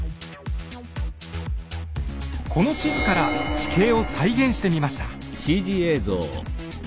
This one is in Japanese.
この地図から地形を再現してみました。